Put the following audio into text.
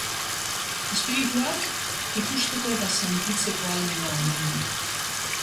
Espirituak ikusteko eta sentitzeko ahalmena omen du.